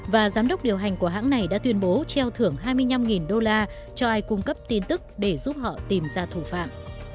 và giám đốc điều hành của hãng này đã tuyên bố treo thưởng hai mươi năm đô la cho ai cung cấp tin tức để giúp họ tìm ra thủ phạm